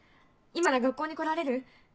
今から学校に来られる？